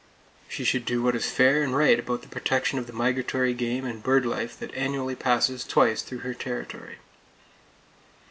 She should do what is fair and right about the protection of the migratory game and bird life that annually passes twice through her territory!